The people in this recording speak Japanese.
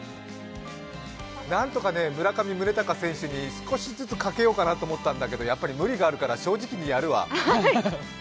なんとか村上宗隆選手に少しずつかけようかなと思ったんだけどやっぱり無理があるから正直にやるわ。